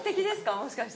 もしかして。